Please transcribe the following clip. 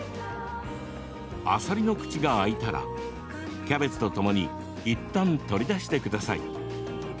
あさりの口が開いたらキャベツとともにいったん取り出してください。